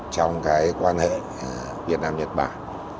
trong cái quan hệ việt nam nhật bản